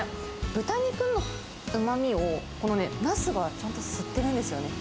豚肉のうまみを、このナスがちゃんと吸ってるんですよね。